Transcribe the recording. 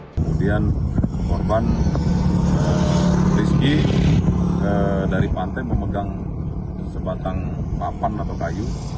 kemudian korban rizki dari pantai memegang sebatang papan atau kayu